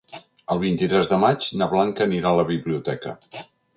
El vint-i-tres de maig na Blanca anirà a la biblioteca.